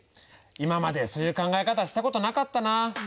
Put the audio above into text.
今までそういう考え方したことなかったな。